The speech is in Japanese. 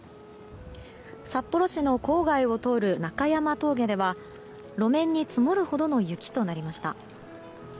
札幌市の郊外を通る中山峠では路面に積もるほどの雪となりました。